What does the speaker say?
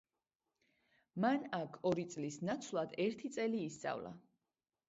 მან აქ ორი წლის ნაცვლად ერთი წელი ისწავლა.